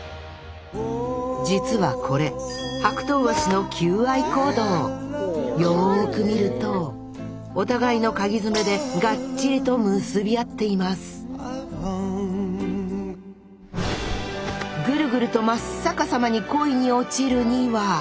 実はこれハクトウワシのよく見るとお互いのかぎ爪でがっちりと結び合っていますぐるぐると真っ逆さまに恋に落ちる２羽。